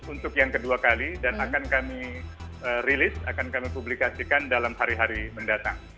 untuk yang kedua kali dan akan kami rilis akan kami publikasikan dalam hari hari mendatang